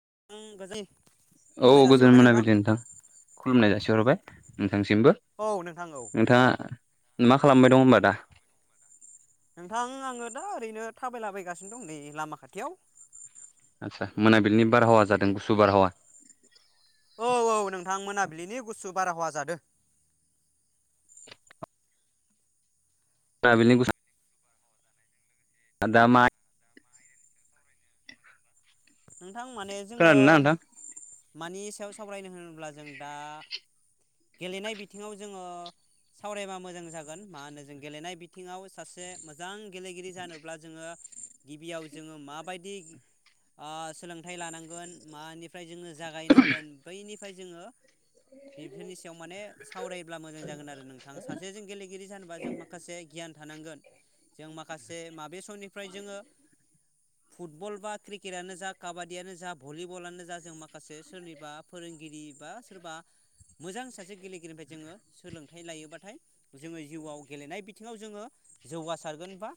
[unintelligible] औ खुलुमनाय गोजोन जासिहरबाय मोनाबिलि नोंथां। खुलुमनाय जासिहरबाय नोंथांसिमबो। औ नोंथां औ नोंथाङा मा खालामबाय दं होनबा दा? नोंथां आङो दा ओरैनो थाबायला बायगासिनो दं नै लामा खाथियाव। आदसा। मोनाबिलिनि बारहावा जादों गुसु बारहावा। औ औ नोंथां मोनाबिलिनि गुसु बारहावा जादो। [unintelligible] दा माय नोंथां माने जोङो खोनादों ना नोंथां मानि सायाव सावरायनो होनोब्ला जों दा गेलेनाय बिथिङाव जोङो सावरायबा मोजां जागोन मा होनो जों गेलेनाय बिथिङाव सासे मोजां गेलेगिरि जानोब्ला जोङो गिबियाव जोङो माबायदि अ सोलोंथाइ लानांगोन मानिफ्राय जोङो जागायनांगोन बैनिफ्राय जोङो बेफोरनि सायाव माने सावरायोब्ला मोजां जागोन आरो नोंथाङा सासे जों गेलेगिरि जानोबा जों माखासे गियान हानांगोन जों माखासे माबे समनिफ्राय जोङो फुटबल बा क्रिक केटानो जा काबादियानो जा भलिबलानो जा जों माखासे सोरनिबा फोरोंगिरि बा सोरबा मोजां सासे गेलेगिरिनिफ्राय जोङो सोलोंथाइ लायोबाथाय जोङो जिउआव गेलेनाय बिथिङाव जोङो जौगासारगोनबा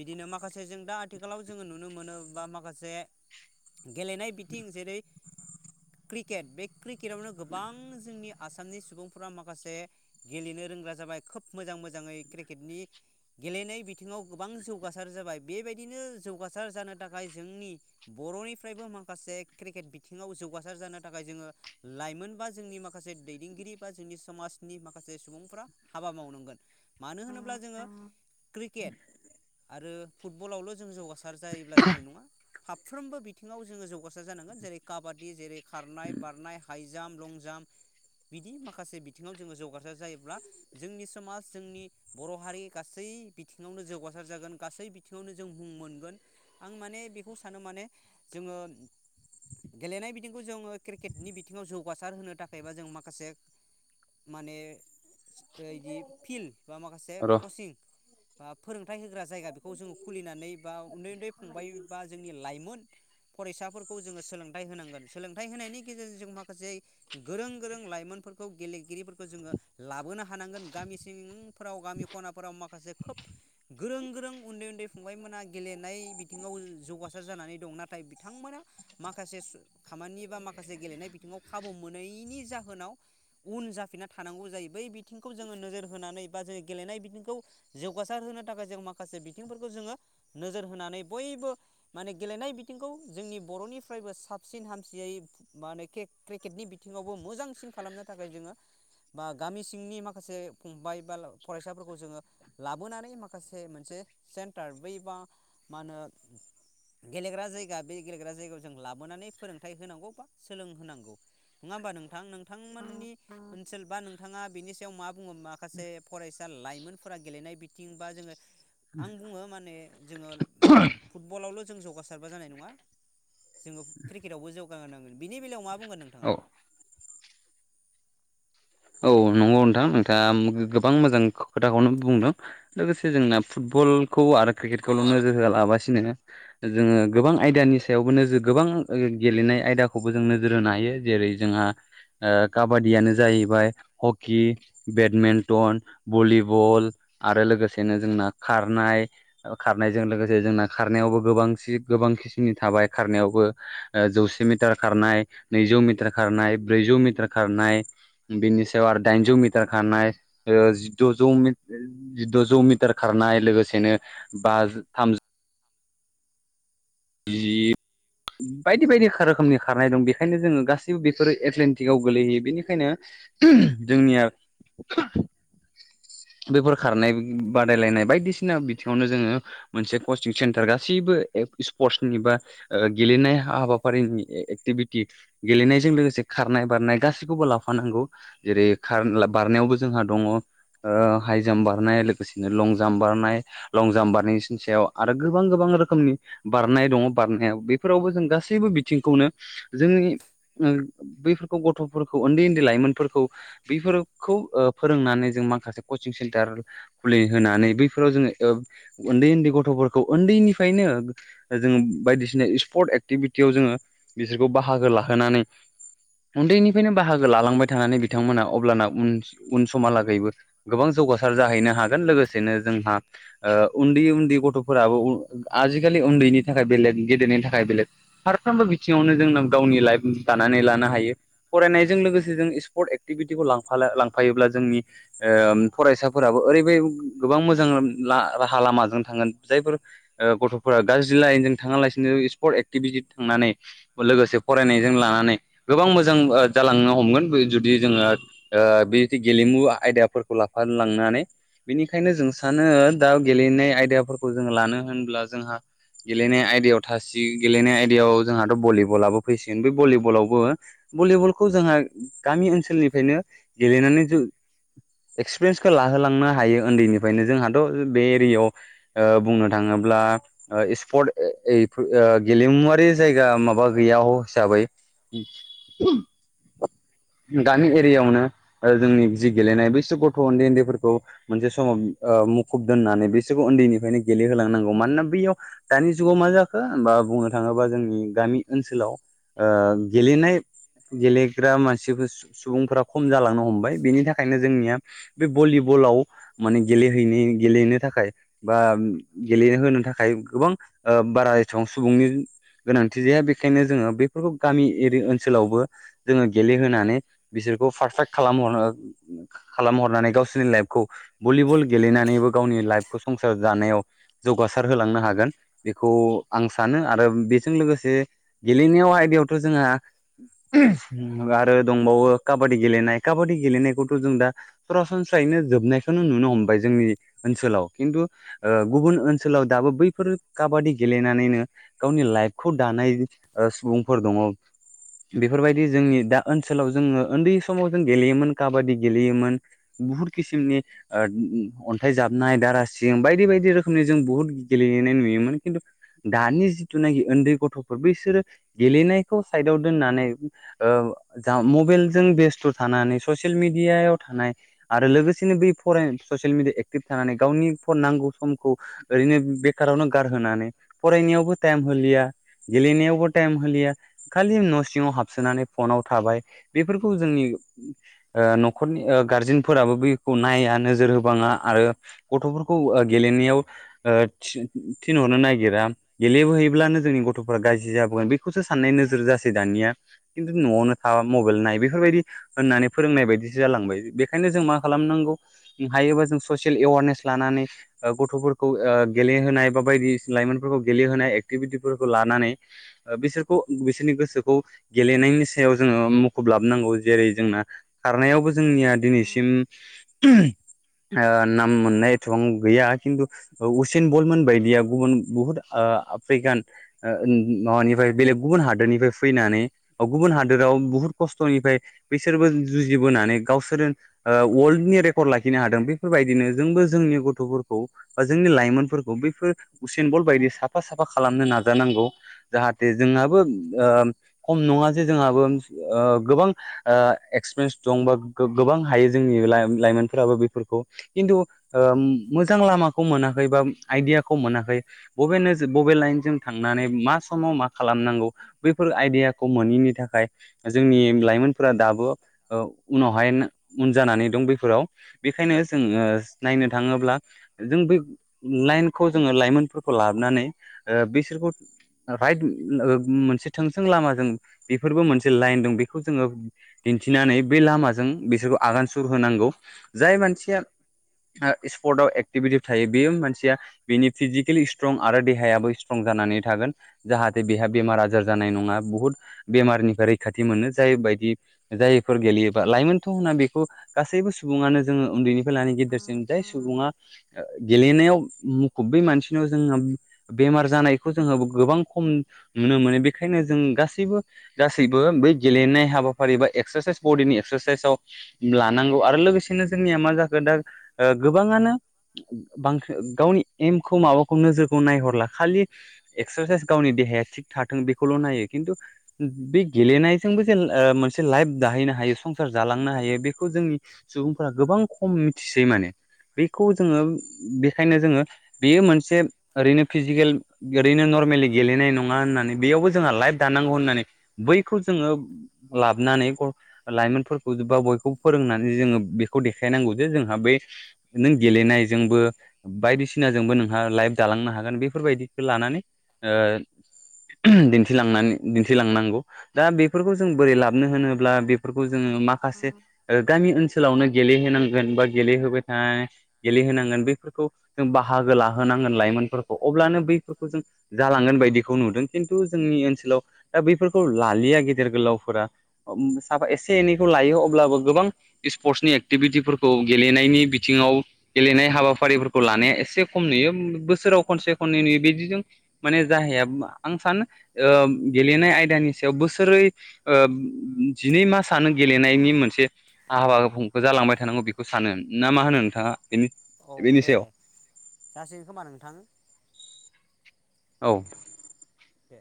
बिदिनो माखासे जों दा आथिखालाव जोङो नुनो मोनोबा माखासे गेलेनाय बिथिं जेरै क्रिकेट बे क्रिकेटआवनो गोबां जोंनि आसामनि सुबुंफोरा माखासे गेलेनो फोरोंग्रा जाबाय खोब मोजां मोजाङै क्रिकेटनि गेलेनाय बिथिङाव गोबां जौगासार जाबाय बेबायदिनो जौगासार जानो थाखाय जोंनि बर'निफ्रायबो माखासे क्रिकेट बिथिङाव जौगासार जानो थाखाय जोङो लाइमोन बा जोंनि माखा से दैदेनगिरि बा जोंनि समाजनि माखासे सुबुंफ्रा हाबा मावनांगोन मानो होनोब्ला जोङो क्रिकेट आरो फुटबलावल' जों जौगासार जायोब्ला जानाय नङा फाफ्रोमबो बिथिङाव जोङो जौगासार जानांगोन जेरै काबादि जेरै खारनाय बारनाय हाइ जाम्प लं जाम्प बिदि माखासे बिथिङाव जोङो जौगासार जायोब्ला जोंनि समाज जोंनि बर' हारि गासै सै बिथिङावनो जौगासार जागोन गासै बिथिङावनो जों मुं मोनगोन आं माने बेखौ सो सानो माने जोङो गेलेनाय बिथिंखौ जोङो क्रिकेटनि बिथिङाव जौगासार होनो थाखायबा जों माखासे माने ओ इदि फिल्ड बा माखासे र' कचिं बा फोरोंथाइ हो होग्रा जायगा बेखौ जोङो खुलिनानै बा उन्दै-उन्दै फंबाय बा जोंनि लाइमोन फरायसाफोरखौ जोङो सोलोंथाइ होनांगोन सोलोंथाइ होनायनि गेजेरजों जों माखासे गोरों-गोरों लाइमोन फोरखौ गेलेगिरिफोरखौ जोङो लाबोनो हानांगोन गामि सिं फोराव गामि खनाफोराव माखासे खोब गोरों-गोरों उन्दै-उन्दै फंबायमोना गेलेनाय बिथिङाव जौगासार जानानै दं नाथाय बिथांमोना माखासे सु खामानि बा माखासे गेलेनाय बिथिङाव खाबु मोनैनि जाहोनाव उन जाफिनना थानांगौ जायो बै बिथिंखौ जोङो नोजोर होनानै बा जोङो गेलेनाय बिथिंखौ जौगासार होनो थाखाय जों माखासे बिथिंफोरखौ जोङो नोजोर होनानै बयबो माने गेलेनाय बिथिंखौ जोंनि बर'निफ्रायबो साबसिन हामसियै मा होनो किक-क्रिकेट नि बिथिङावबो मोजांसिन खालामनो थाखाय जोङो बा गामि सिंनि माखासे फंबाय बा ला फरायसाफोरखौ जोङो लाबोनानै माखासे मोनसे सेन्टार बैबा मा होनो गेलेग्रा जायगा बे गेलेग्रा जायगायाव जों लाबोनानै फोरोंथाइ होनांगौ बा सोलोंहोनांगौ नङा होमबा नोंथां नोंथांमोननि ओनसोल बा नोंथाङा बिनि सायाव मा बुङो माखासे फरायसा लाइमोनफोरा गेलेनाय बिथिं बा जोङो आं बुङो माने जोङो फुटबलावल' जों जौगासारबा जानाय नङा जोङो क्रिकेटआवबो जौगाहोनांगोन बिनि बेलायाव मा बुंगोन नोंथाङा? औ औ नंगौ नोंथां नोंथाङा गोबां मोजां खोथाखौनो बुंदों लोगोसे जोंना फुटबल खौ आरो क्रिकेटखौल' नोजोर होआलाबासिनो जोङो गोबां आयदानि सायावबो नोजोर गोबां ओ गेलेनाय आयदाखौबो जों नोजोर होनो हायो जेरै है जोंहा ओ काबादियानो जाहैबाय हकि, बेडमिन्टन, भलिबल आरो लोगोसेनो जोंना खार नाय ओ खारनायजों लोगोसे जोंना खारनायावबो गोबां जिब गोबां खिसिमनि थाबाय खारनायावबो ओ जौसे मिटार खारनाय नैजौ मिटार खारनाय ब्रैजौ मिटार खारनाय बेनिस सायाव आरो दाइनजौ मिटार खारनाय ओ जिद'जौ मि जिद'जौ मिटार खारनाय लोगो सेनो बा थाम जि बायदि बायदि खा रोखोमनि खारनाय दं बेखायनो जोङो गासैबो बेफोरो एथलेन्टिकआव गोलैहैयो बेनिखायनो जोंनिया बेफोर खारनाय बादायलायनाय बायदिसिना बिथिङावनो जोङो मोनसे कचिं सेन्टार गासैबो स्पर्टसनि बा ओ गेलेनाय हाबाफारिनि एक्टिभिटि गेलेनायजों लोगोसे खारनाय बारनाय गासैखौबो लाफानांगौ जेरै बारनायावबो जोंहा दङ हाइ जाम्प बारनाय लोगोसेनो लं जाम्प बारनाय लं जाम्प बारनि सायाव आरो गोबां गोबां रोखोमनि बारनाय दङ बारनाया बेफोरावबो जों गासैबो बिथिंखौनो जोंनि बेैफोरखौ गथ'फोरखौ उन्दै उन्दै लाइमोनफोरखौ बेफोरखौ ओ फोरोंनानै जों मसे सेन्टार खुलि होनानै बैफोराव जोङो उन्दै उन्दै गथ'फोरखौ उन्दै निफ्रायनो जोङो बायदिसिना स्पर्ट एक्टिभिटियाव जोङो बिसोरखौ बाहागो लाहोनानै उन्दैनिफ्रायनो बाहागो लालांबाय थानानै बिथांमोना अब्लाना उन समहालागैबो गोबां जौ गार जाहैनो हागोन लोगोसेनो जोंहा ओ उन्दै उन्दै गथ'फोराबो आ खालि उन्दैनि थाखाय बेलेग गेदेरनायनि थाखाय बेलेग फारफ्रोमबो बिथिङावनो जोंना गावनि लाइफ दानानै लाना नो हायो फरायनायजों लोगोसे जों स्पर्ट एक्टिभिटिखौ लांफाला-लांफायोब्ला जोंनि ओ फरायसाफोराबो ओरैबाय गोबां मोजां राहा लामाजों थांगोन जायफोर ओ गथ' फोर गाज्रि लाइनजों थाङा लासिनो स्पर्ट एक्टिभिटि थांनानै लोगोसे फरायनायजों लानानै गोबां मोजां जालांनो हमगोन जुदि जोङो ओ बे गेलेमु आयदाफोरखौ लाफा लांनानै बेनिखायनो जों सानो दा गेलेनाय आयदाफोरखौ जोङ लानो होनब्ला जोंहा गेलेनाय आयदायाव थासि गेलेनाय आयदायाव जोंहाथ' भलिबलाबो फैसिगोन बे भलिबलावबो भलिबलखौ जोंहा गामि ओनसोलनिफ्रायनो गेलेनानै जों एक्सपिरियेन्सखौ लाहोलांनो हायो उन्दैनिफ्रायनो जोंहाथ' बे एरियायाव ओ बुंनो थाङो ब्ला ओ स्पर्टफोर ऐ ए गेलेमुवारि जायगा माबा गैया हिसाबै [unintelligible] गामि एरियायावनो जोंनि जि गेलेनाय बैसोर गथ' उन्दै उन्दैफोरखौ मोनसे समाव ओ मुखुब दोननानै बिसोरखौ उन्दैनिफ्रायनो गेलेहोलांनांगौ मानोना बैयाव दानि जुगाव मा जाखो होमबा बुंनो थाङोबा जोंनि गामि ओनसोलाव ओ गेलेनाय गेलेग्रा मानसिफोर सुबुंफोरा खम जालां नो हमबाय बेनि थाखायनो जोंनिया बे भलिबलाव माने गेलेहैनो गेलेनो थाखाय बा गेलेहो थाखाय गोबां ओ बारा एसेबां सुबुंनि गोनांथि जाया बेखायनो जोङो बेफोरखौ गामिरि ओनसोलावबो जोङो गेलेहोनानै बिसोर खौ फारेट खालाम खालाम हरनानै गावसोरनि लाइफखौ भलिबल गेलेनानैबो गावनि लाइफखौ संसार जानायाव जौगासार होलांनो हागोन। बेखौ आं सानो आरो बेजों लोगोसे गेलेनायाव आयदायावथ' जोंहा आरो दंबावो काबादि गेलेनाय काबादि गेलेनायखौथ' जों दा सरासनस्रायै जोबनायखौनो नुनो हमबाय जोंनि ओनसोलाव खिन्थु गुबुन ओ ओनसोलाव दाबो बैफोर काबादि गेलेनानैनो गावनि लाइफखौ दानाय ओ सुबुंफोर दङ। बेफोरबायदि जोंनि दा ओनसोलाव जोङो उन्दै समाव जों गेलेयोमोन काबादि गेलेयोमोन बुहुत किसिमनि ओ अन्थाइ जाबनाय दारासिं बायदि बायदि रोखोमनि जों बुहुत गेलेय नाय नुयोमोन खिथु दानि जिथुनाखि उन्दै गथ'फोर बैसोरो गेलेनायखौ साइडआव दोन नानै ओ दा मबल बेस्थ' थानानै ससिल मिडिया थानाय आरो लोगोसेनो बै फराय ससियेल मिडिया एक्टिभ थानानै गावनि नांगौ समखौ ओरैनो बे खारावनो गारहोनानै फरायनायावबो टाइम होलिया गेलेनायावबो टाइम होलिया खालि न' सिङाव हाबसोनानै फनाव थाबाय बेफोरखौ जोंनि ओ नखरनि ओ गार्जेनफोर राबो बेखौ नाया नोजोर होबाङा आरो गथ'फोरखौ गेलेनायाव ओ थिनहरनो नागिरा गेलेबोहैब्लानो जोंनि गथ'फोरा गाज्रि जाबोगोन बेखौसो साननाय नोजोर जा सै दानिया खिन्थु न'आवनो थाबा मबाइल नाय बेफोरबायदि होननानै फोरोंनाय बायदिसो जालांबाय बेखाय नो जों मा खालामनांगौ हायोबा जों ससेयेल एवारनेस लानानै गथ'फोरखौ ओ गेलेहोनाय बा बायदिसिना लाइमोनफोरखौ गेलेहोनाय एक्टिभिटिफोरखौ लानानै बिसोरखौ बिसोरनि गोसोखौ गेलेनायनि सायाव जोङो मुखुब लाबोनांगौ जेरै जोंना खारनायावबो जोंनिया दि नैसिम मोननाय एथबां गैया किन्तु [unintelligible] सिन बल मोन बायदिया गुबुन बुहुत आफ्रिकान ओ मानिफ्राय बेलेग गुबुन हादरनि निफ्राय फैनानै गुबुन हादोराव बुहुत खस्थ'निफ्राय बिसोरबो जुजिबोनानै गावसोर ओ वर्ल्डनि रेकर्ड लाखिनो हादों बेफोरबायदिनो जोंबो जोंनि गथ'फोरखौ बा जोंनि लाइमोन फोरखौ बैफोर सिबल बायदि साफा साफा खालामनो नाजा नांगौ जाहाथे जोंहाबो ओ खम नङा जे जोंहाबो ओ गोबां ओ एक्सपिरियेन्स दं बा गो-गोबां हायो जोंनि ला-लाइमोनफोराबो बेफोरखौ खिन्थु ओ मोजां लामाखौ मोनाखै बा आइडियाखौ मोनाखै बबे नोजोर बबे लाइनजों थांनानै मा समाव मा खालामनांगौ बेफोर आइदियाखौ मोनैनि थाखाय जोंनि लाइमोनफोरा दाबो ओ उनावहाय जानानै दं बैफोराव बेनिखायनो जों नायनो थाङोब्ला जों बै लाइनखौ जोङो लाइमोनफोरखौ लाबोनानै ओ बिसोरखौ राइट ओ मोनसे थोंसों लामाजों बेफोरबो मोनसे लाइन दं बेखौ जोङो दिन्थिनानै बे लामाजों बिसोरखौ आगान सुर होनांगौ। जाय मानसिया सा-स्पर्टआव एक्टिभिटिफोर थायो बेयो मोनसे बिनि फिजिकेलि स्ट्रं आरो देहायाबो स्ट्रं जानानै थागोन जाहाथे बेहा बेमार आजार जा नाय नङा बहुत बेमारनि रैखाथि मोन जाय बायदि जायफोर गेलेयोबा लाइमोनथ' होन बेखौ गासैबो सुबुङानो जोङो उन्दैनिफ्राय लानाय गेदेरसिम जाय सुबुङा गेलेनायाव मुखुबै मानसिनाव जों बेमार जानायखौ जोङो गोबां खम नुनो मोनो बेखायनो जों गासैबो गासैबो बै गेलेनाय हाबाफारि बा एक्सारसाइस बडिनि एक्सारसाइसआव लानांगौ आरो लोगोसेनो जोंनिया मा जाखो दा ओ गोबाङानो बांसिन गावनि एमखौ माबाखौ नोजोरखौ नायहरला खालि एक्सारसाइस गावनि देहाया थिग थाथों बेखौल' नायो किन्तु बे गेलेनायजोंबो जे मोनसे लाइफ दाहैनो हायो संसार जालांनो हायो बेखौ जोंनि सुबुंफोरा गोबां खम मिथिसै माने बेखौ जोङो बेखायनो जोङो बेयो मोनसे ओरैनो फिजिकेल ओरैनो नर्मेलि गेलेनाय नङा होननानै बेयो जों लाइभ दानांगौ होननानै बैखौ जोङो लाबोन लाइमोन बयखौबो फोरोंनानै जोङो बेखौ देखायनांगौ जे जोंहा बे नों गेलेनायजोंबो बायदिसिनाजोंबो नोंहा लाइफ दालांनो हागोन बेफोरबायदिखौ लानानै दिन्थिलांनानै दिन्थिलांनांगौ दा बेफोरखौ जों बोरै लाबनो होनोब्ला बे जोङो माखासे गामि ओ ओनसोल ओनसोलावनो गेलेहोनांगोन बा गेलेहोबाय थानानै गेलेहोनांगोन बेफोरखौ जों बाहागो लाहोनांगोन लाइमोनफोरखौ अब्लानो बैफोरखौ जों जालांगोन बायदिखौ नुदों खिन्थु जों जोंनि ओनसोलाव दा बेफोरखौ लालिया गेदेर गोलावफोरा। साफा एसे एनैखौ लायो अब्लाबो गोबां स्पर्टसनि एक्टिभिटिफोरखौ गेलेनायनि बिथिङाव गेलेनाय हाबाफारिफोर खौ लानाया एसे खम नुयो बोसोराव खनसे खननै नुयो बिदिजों माने जाहैया आं सानो ओ गेलेनाय आयदानि सायाव बोसोरै ओ जिनै मासानो गेलेनायनि मोनसे हाबा जालांबाय थानांगौ बेखौ सानो ना मा होनो नोंथाङा औ बेनि दे सायाव? जासिगोन खोमा नोंथां। औ दे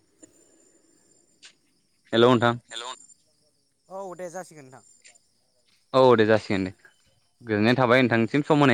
हेलौ नोंथां औ दे जासिगोन नोंथां। औ दे जासिगोन दे गोजोननाय थाबाय नोंथांसिम सम